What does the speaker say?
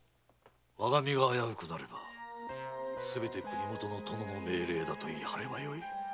わが身が危うくなればすべて国許の殿の命令だと言い張ればよい。